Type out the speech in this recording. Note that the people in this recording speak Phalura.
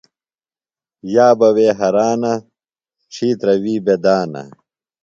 یابہ وے ہرانہ ، ڇِھیترہ وِی بےۡ دانہ